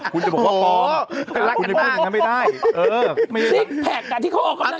คุณจะบอกว่าปลอม